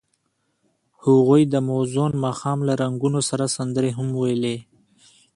هغوی د موزون ماښام له رنګونو سره سندرې هم ویلې.